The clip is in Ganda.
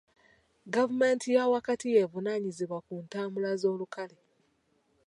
Gavumenti y'awakati y'evunaanyizibwa ku ntambula z'olukale.